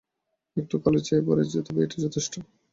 একটু কালোর ছোয়া পেয়েছে, তবে এটাই যথেষ্ট।